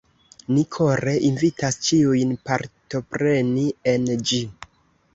Ni kore invitas ĉiujn partopreni en ĝi!